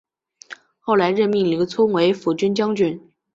后来任命刘聪为抚军将军。